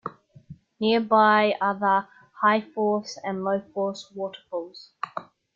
Nearby are the High Force and Low Force waterfalls.